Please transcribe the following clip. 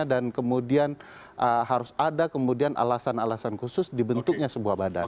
dan kemudian harus ada kemudian alasan alasan khusus dibentuknya sebuah badan